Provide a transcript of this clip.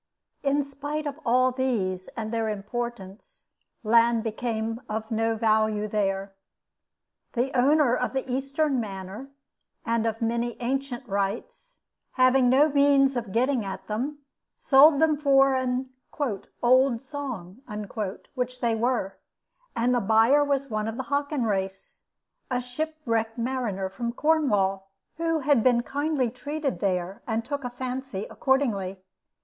In spite of all these and their importance, land became of no value there. The owner of the Eastern Manor and of many ancient rights, having no means of getting at them, sold them for an "old song," which they were; and the buyer was one of the Hockin race, a shipwrecked mariner from Cornwall, who had been kindly treated there, and took a fancy accordingly.